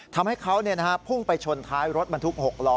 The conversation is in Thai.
ทำให้เขาพุ่งไปชนท้ายรถบรรทุก๖ล้อ